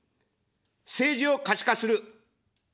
政治を可視化する。